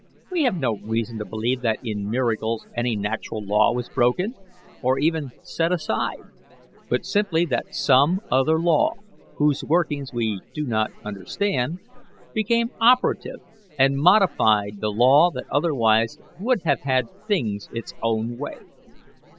We have no reason to believe that in miracles any natural law was broken, or even set aside, but simply that some other law, whose workings we do not understand, became operative and modified the law that otherwise would have had things its own way.